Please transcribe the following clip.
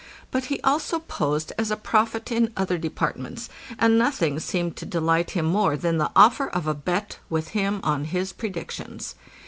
But he also posed as a prophet in other departments, and nothing seemed to delight him more than the offer of a bet with him on his predictions.